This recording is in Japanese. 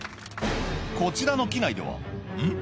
こちらの機内ではん？